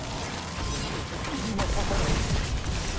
身も心も！